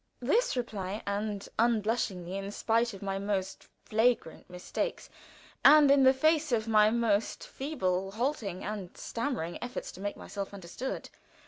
(This repeatedly and unblushingly, in spite of my most flagrant mistakes, and in the face of my most feeble, halting, and stammering efforts to make myself understood.)